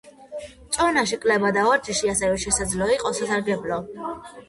წონაში კლება და ვარჯიში, ასევე შესაძლოა იყოს სასარგებლო.